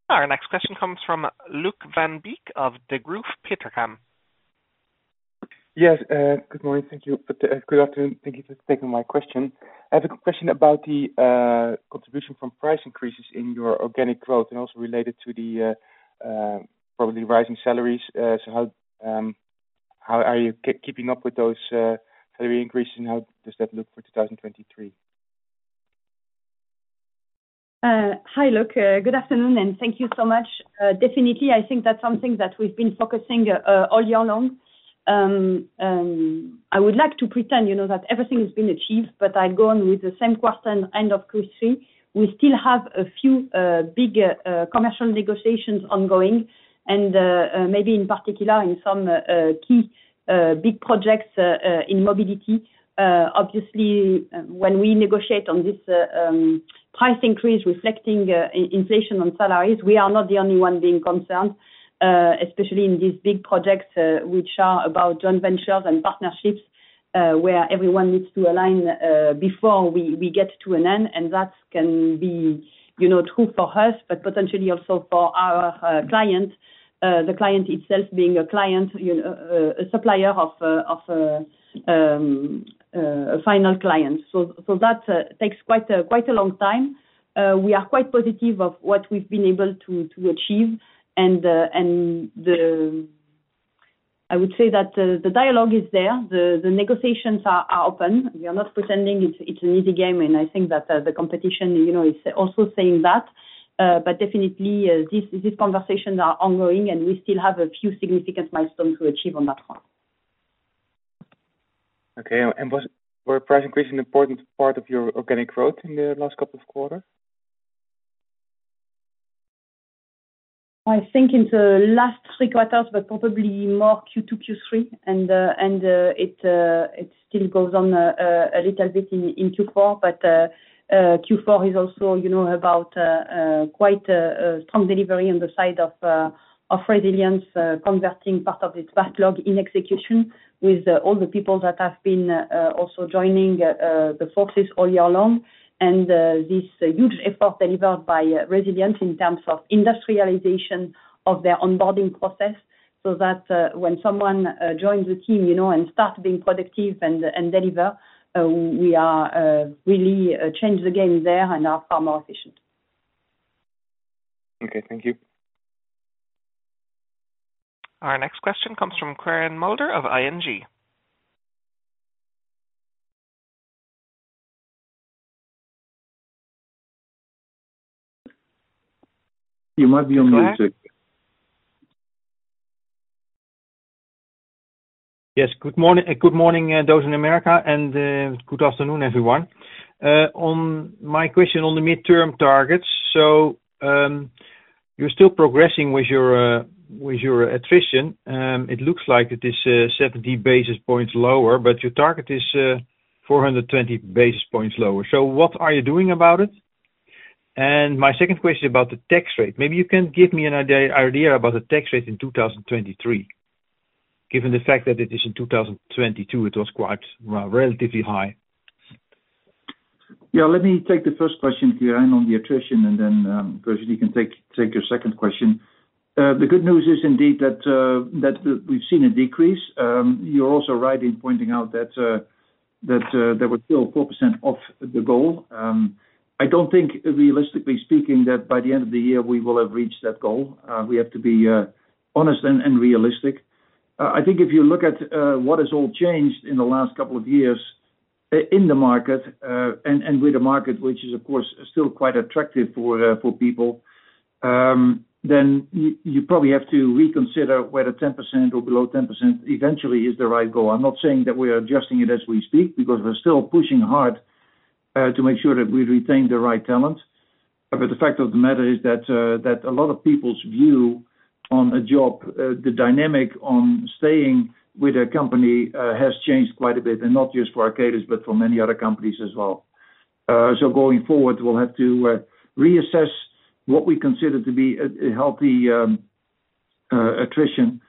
Our next question comes from Luuk van Beek of Degroof Petercam. Good morning. Thank you. Good afternoon. Thank you for taking my question. I have a question about the contribution from price increases in your organic growth and also related to the probably rising salaries. How are you keeping up with those salary increases, and how does that look for 2023? Hi, Luuk. Good afternoon, and thank you so much. Definitely, I think that's something that we've been focusing all year long. I would like to pretend, you know, that everything has been achieved, but I'll go on with the same question end of Q3. We still have a few big commercial negotiations ongoing, and maybe in particular in some key big projects in mobility. Obviously, when we negotiate on this price increase reflecting inflation on salaries, we are not the only one being concerned, especially in these big projects, which are about joint ventures and partnerships, where everyone needs to align before we get to an end. That can be, you know, true for us, but potentially also for our client, the client itself being a client, you know, a supplier of a final client. That takes quite a long time. We are quite positive of what we've been able to achieve. I would say that the dialogue is there, the negotiations are open. We are not pretending it's an easy game, and I think that the competition, you know, is also saying that. Definitely, these conversations are ongoing, and we still have a few significant milestones to achieve on that front. Okay. Were price increase an important part of your organic growth in the last couple of quarters? I think in the last three quarters, but probably more Q2, Q3, and it still goes on a little bit in Q4, but Q4 is also, you know, about quite a strong delivery on the side of resilience, converting part of its backlog in execution with all the people that have been also joining the forces all year long. This huge effort delivered by resilience in terms of industrialization of their onboarding process, so that when someone joins the team, you know, and starts being productive and deliver, we are really change the game there and are far more efficient. Okay, thank you. Our next question comes from Quirijn Mulder of ING. You might be on mute. Yes. Good morning, good morning, those in America and good afternoon, everyone. On my question on the midterm targets. You're still progressing with your with your attrition. It looks like it is 70 basis points lower, but your target is 420 basis points lower. What are you doing about it? My second question about the tax rate. Maybe you can give me an idea about the tax rate in 2023, given the fact that it is in 2022, it was quite relatively high. Yeah, let me take the first question here and on the attrition and then Virginie can take your second question. The good news is indeed that we've seen a decrease. You're also right in pointing out that we're still 4% off the goal. I don't think realistically speaking, that by the end of the year we will have reached that goal. We have to be honest and realistic. I think if you look at what has all changed in the last couple of years in the market, and with the market, which is of course still quite attractive for people, then you probably have to reconsider whether 10% or below 10% eventually is the right goal. I'm not saying that we are adjusting it as we speak because we're still pushing hard to make sure that we retain the right talent. The fact of the matter is that a lot of people's view on a job, the dynamic on staying with a company, has changed quite a bit, and not just for Arcadis but for many other companies as well. Going forward, we'll have to reassess what we consider to be a healthy attrition.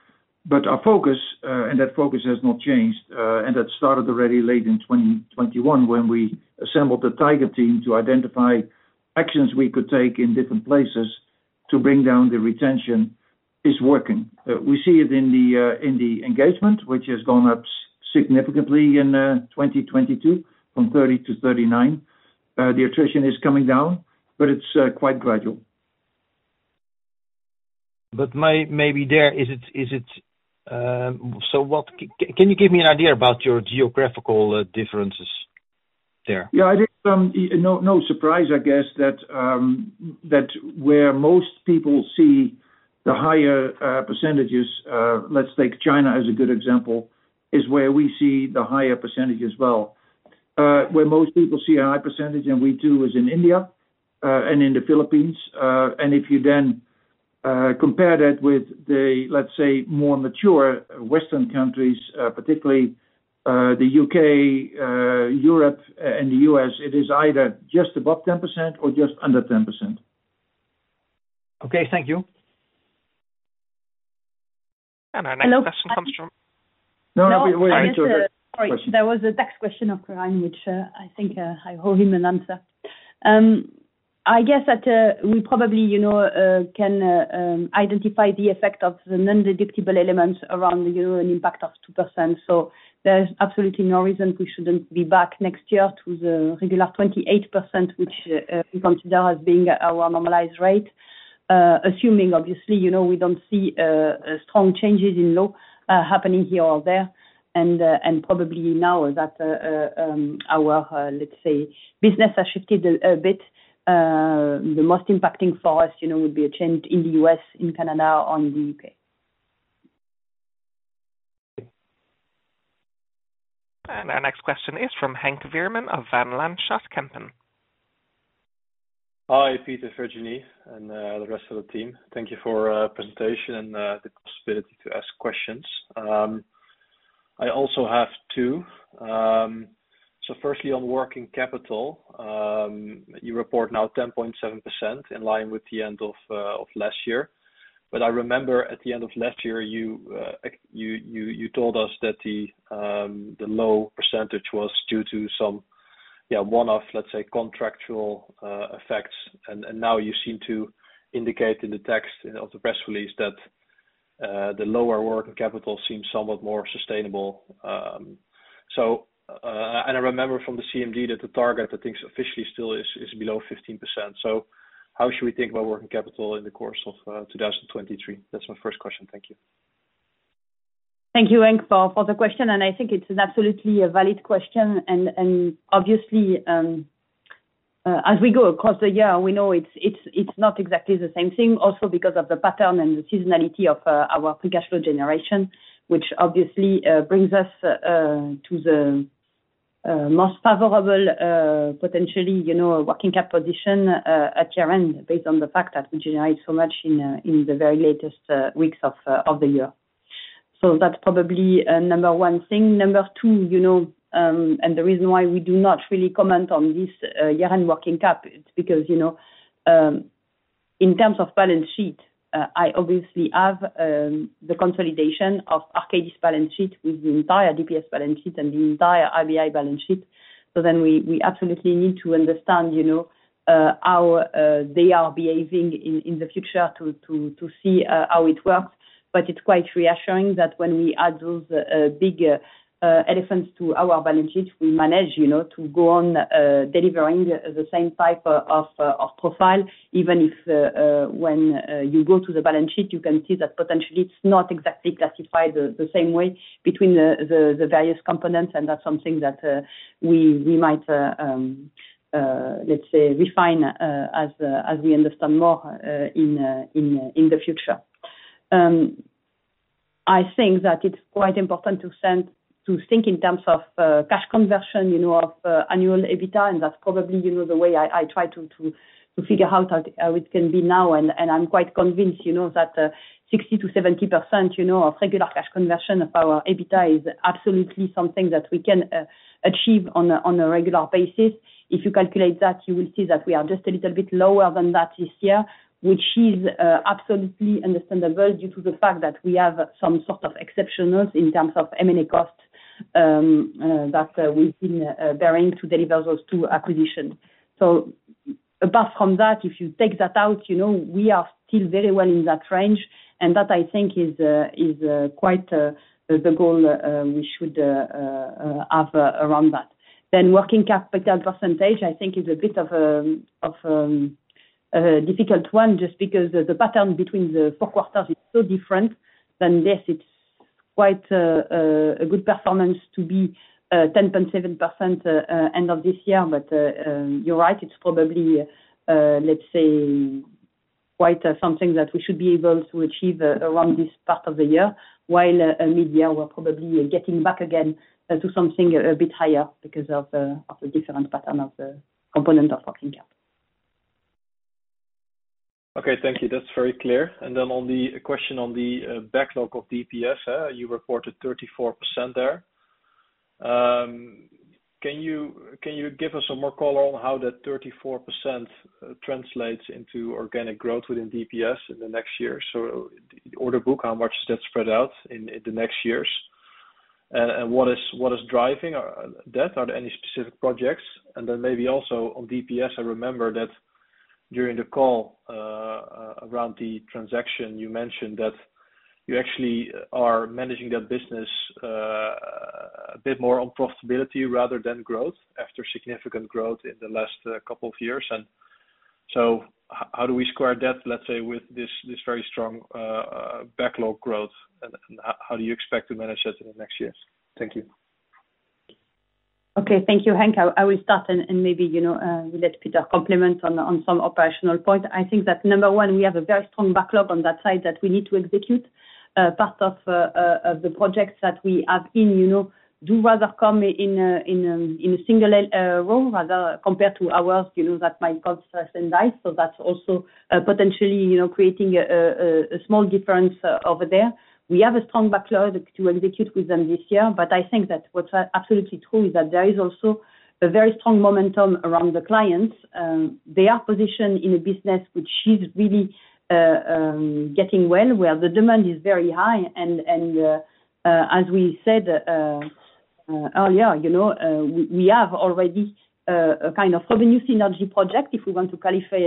Our focus, and that focus has not changed, and that started already late in 2021 when we assembled the tiger team to identify actions we could take in different places to bring down the retention is working. We see it in the engagement, which has gone up significantly in 2022, from 30% to 39%. The attrition is coming down, but it's quite gradual. Can you give me an idea about your geographical differences there? No, no surprise, I guess, that where most people see the higher percentages, let's take China as a good example, is where we see the higher percentage as well. Where most people see a high percentage and we do is in India and in the Philippines. If you then compare that with the, let's say, more mature Western countries, particularly the U.K., Europe, and the U.S., it is either just above 10% or just under 10%. Okay. Thank you. Our next question comes from. Hello. No, we heard you the first question. Sorry. There was a next question from Quirijn, which I think I owe him an answer. I guess that we probably, you know, can identify the effect of the non-deductible elements around the euro and impact of 2%. There's absolutely no reason we shouldn't be back next year to the regular 28%, which we consider as being our normalized rate. Assuming obviously, you know, we don't see strong changes in law happening here or there, probably now that our, let's say business has shifted a bit, the most impacting for us, you know, would be a change in the U.S., in Canada or in the U.K. Our next question is from Henk Veerman of Van Lanschot Kempen. Hi, Peter Oosterveer, Virginie Duperat, and the rest of the team. Thank you for presentation and the possibility to ask questions. I also have two. Firstly, on working capital, you report now 10.7% in line with the end of last year. I remember at the end of last year, you told us that the low percentage was due to some, yeah, one-off, let's say, contractual effects. Now you seem to indicate in the text of the press release that the lower working capital seems somewhat more sustainable. I remember from the CMD that the target, I think officially still is below 15%. How should we think about working capital in the course of 2023? That's my first question. Thank you. Thank you, Henk, for the question. I think it's an absolutely a valid question. Obviously, as we go across the year, we know it's not exactly the same thing also because of the pattern and the seasonality of our free cash flow generation, which obviously brings us to the most favorable, potentially, you know, working cap position at year-end based on the fact that we generate so much in the very latest weeks of the year. That's probably number one thing. Number two, you know. The reason why we do not really comment on this year-end working cap, it's because, you know, in terms of balance sheet, I obviously have the consolidation of Arcadis balance sheet with the entire DPS balance sheet and the entire IBI balance sheet. We absolutely need to understand, you know, how they are behaving in the future to see how it works. It's quite reassuring that when we add those big elephants to our balance sheet, we manage, you know, to go on delivering the same type of profile, even if, when you go to the balance sheet, you can see that potentially it's not exactly classified the same way between the various components, and that's something that we might, let's say refine, as we understand more in the future. I think that it's quite important to think in terms of cash conversion, you know, of annual EBITDA, and that's probably, you know, the way I try to figure out how it can be now. I'm quite convinced, you know, that 60%-70% of regular cash conversion of our EBITDA is absolutely something that we can achieve on a regular basis. If you calculate that, you will see that we are just a little bit lower than that this year, which is absolutely understandable due to the fact that we have some sort of exceptionals in terms of M&A costs that we've been bearing to deliver those two acquisitions. Apart from that, if you take that out, you know, we are still very well in that range. That I think is quite the goal we should have around that. Then working capital percentage, I think is a bit of a difficult one just because the pattern between the four quarters is so different than this. It's quite a good performance to be 10.7% end of this year. But you're right, it's probably, let's say, quite something that we should be able to achieve around this part of the year, while mid-year we're probably getting back again to something a bit higher because of the different pattern of the component of working capital. Okay. Thank you. That's very clear. On the question on the backlog of DPS, you reported 34% there. Can you give us some more color on how that 34% translates into organic growth within DPS in the next year? Order book, how much is that spread out in the next years? What is driving that? Are there any specific projects? Maybe also on DPS, I remember that during the call around the transaction, you mentioned that you actually are managing that business a bit more on profitability rather than growth after significant growth in the last couple of years. How do we square that, let's say, with this very strong backlog growth, and how do you expect to manage that in the next years? Thank you. Okay. Thank you, Henk. I will start and maybe, you know, we let Peter complement on some operational point. I think that number one, we have a very strong backlog on that side that we need to execute. Part of the projects that we have in, you know, do rather come in a single row rather compared to ours, you know, that might construct and dice. That's also, potentially, you know, creating a small difference over there. We have a strong backlog to execute with them this year, I think that what's absolutely true is that there is also a very strong momentum around the clients. They are positioned in a business which is really getting well, where the demand is very high and, as we said earlier, you know, we have already a kind of revenue synergy project, if we want to qualify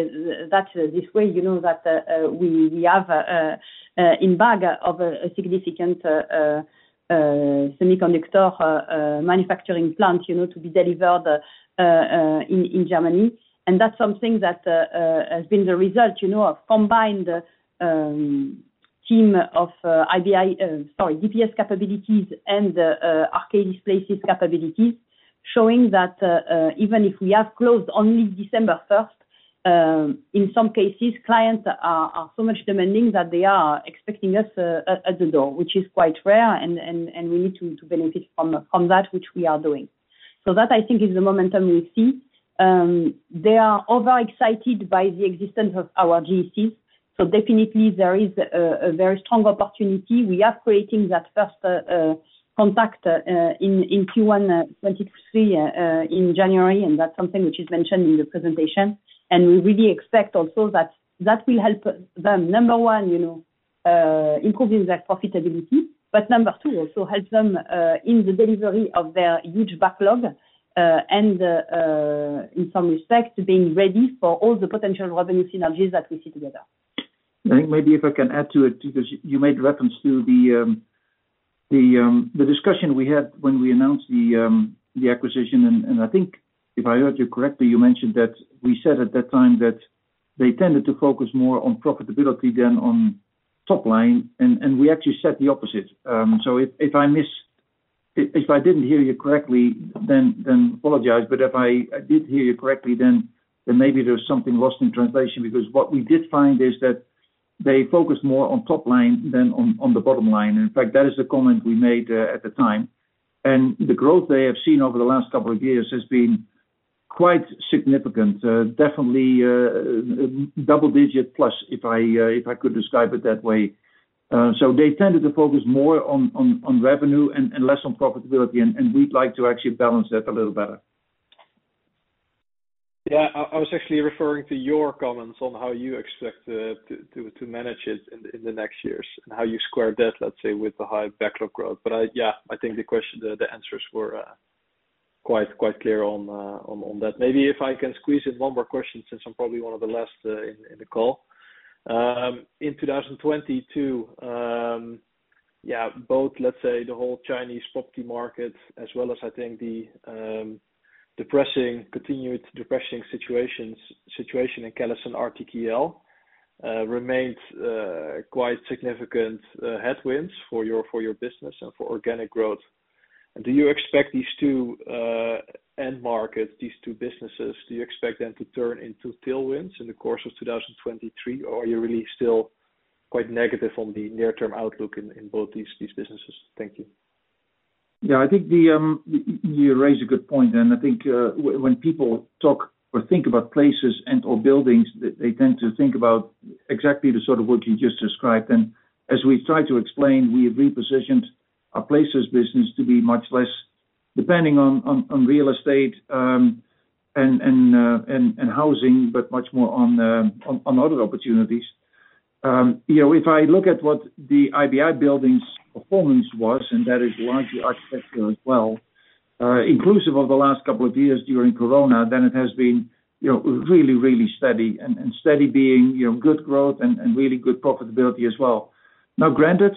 that this way, you know, that we have in bag of a significant semiconductor manufacturing plant, you know, to be delivered in Germany. That's something that has been the result, you know, of combined team of IBI... Sorry, DPS capabilities and Arcadis Places capabilities, showing that even if we have closed only December 1st, in some cases, clients are so much demanding that they are expecting us at the door, which is quite rare and we need to benefit from that which we are doing. That I think is the momentum we see. They are overexcited by the existence of our GEC. Definitely there is a very strong opportunity. We are creating that first contact in Q1 2023 in January, and that's something which is mentioned in the presentation. We really expect also that that will help them, number one, you know, improving their profitability. Number two, also help them in the delivery of their huge backlog, and in some respects, being ready for all the potential revenue synergies that we see together. I think maybe if I can add to it, because you made reference to the discussion we had when we announced the acquisition, and I think if I heard you correctly, you mentioned that we said at that time that they tended to focus more on profitability than on top line, and we actually said the opposite. If I didn't hear you correctly, then I apologize. If I did hear you correctly, then maybe there's something lost in translation, because what we did find is that they focus more on top line than on the bottom line. In fact, that is the comment we made at the time. The growth they have seen over the last couple of years has been quite significant. Definitely, double-digit plus, if I could describe it that way. They tended to focus more on revenue and less on profitability, and we’d like to actually balance that a little better. Yeah. I was actually referring to your comments on how you expect to manage it in the next years and how you square that, let's say, with the high backlog growth. I, yeah, I think the answers were quite clear on that. Maybe if I can squeeze in one more question since I'm probably one of the last in the call. In 2022, yeah, both, let's say the whole Chinese property market as well as I think the depressing, continued depressing situation in CallisonRTKL remains quite significant headwinds for your business and for organic growth. Do you expect these two end markets, these two businesses, do you expect them to turn into tailwinds in the course of 2023? Are you really still quite negative on the near term outlook in both these businesses? Thank you. Yeah. I think the you raise a good point. I think when people talk or think about places and or buildings, they tend to think about exactly the sort of work you just described. As we try to explain, we have repositioned our places business to be much less depending on real estate and housing, but much more on other opportunities. You know, if I look at what the IBI Group's performance was, that is largely architectural as well, inclusive of the last couple of years during COVID, then it has been, you know, really, really steady. Steady being, you know, good growth and really good profitability as well. Now granted,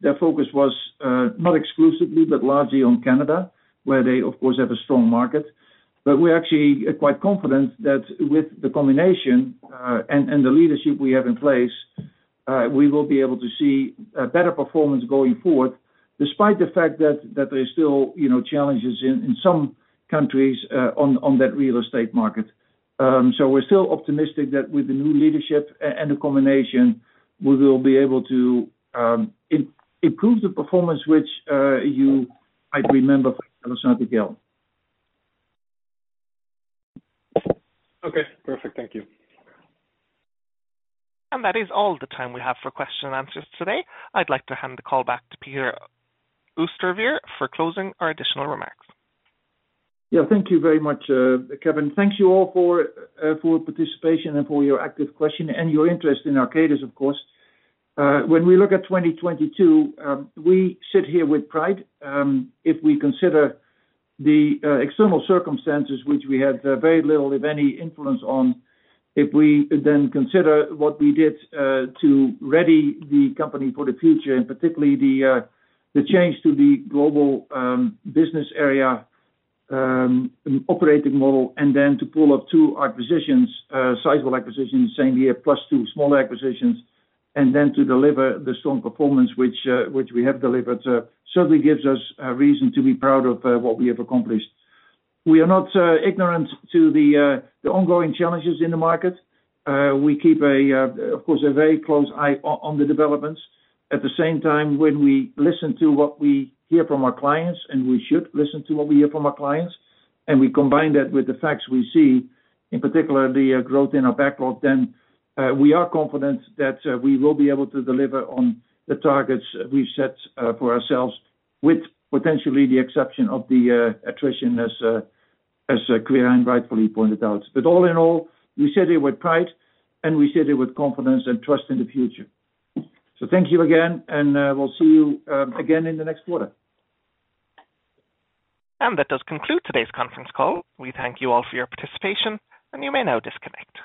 their focus was not exclusively, but largely on Canada, where they of course, have a strong market. We're actually quite confident that with the combination, and the leadership we have in place, we will be able to see a better performance going forward despite the fact that there's still, you know, challenges in some countries, on that real estate market. We're still optimistic that with the new leadership and the combination, we will be able to improve the performance which, you, I remember from San Diego. Okay. Perfect. Thank you. That is all the time we have for question and answers today. I'd like to hand the call back to Peter Oosterveer for closing or additional remarks. Yeah, thank you very much, Kevin. Thank you all for participation and for your active question and your interest in Arcadis, of course. When we look at 2022, we sit here with pride. If we consider the external circumstances which we had very little, if any influence on, if we then consider what we did to ready the company for the future, and particularly the change to the global business area operating model, and then to pull up two acquisitions, sizable acquisitions the same year, plus two small acquisitions, and then to deliver the strong performance which we have delivered, certainly gives us a reason to be proud of what we have accomplished. We are not ignorant to the ongoing challenges in the market. We keep a, of course, a very close eye on the developments. At the same time, when we listen to what we hear from our clients, and we should listen to what we hear from our clients, and we combine that with the facts we see, in particular the growth in our backlog then, we are confident that we will be able to deliver on the targets we've set for ourselves, with potentially the exception of the attrition as Claire rightfully pointed out. All in all, we sit here with pride, and we sit here with confidence and trust in the future. Thank you again and, we'll see you again in the next quarter. That does conclude today's conference call. We thank you all for your participation, and you may now disconnect.